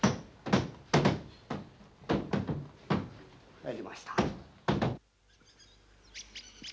入りました。